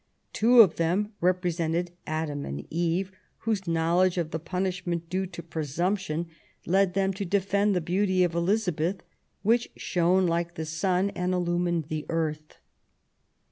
Two of them represented Adam and Eve, whose knowledge of the punishment due to presumption led them to defend the beauty of Elizabeth, which shone like the sun and illumined the earth.